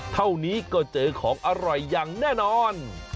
เท่านี้ก็เจอของอร่อยอย่างแน่นอน